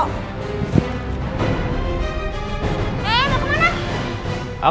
eh mau kemana